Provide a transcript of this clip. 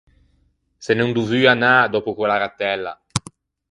Se n’en dovui anâ, dòppo quella ratella.